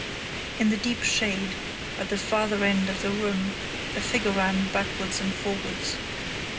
In the deep shade, at the farther end of the room, a figure ran backwards and forwards.